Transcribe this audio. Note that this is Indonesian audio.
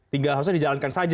tinggal harusnya dijalankan saja